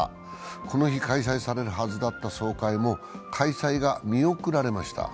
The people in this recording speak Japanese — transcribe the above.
この日、開催されるはずだった総会も開催が見送られました。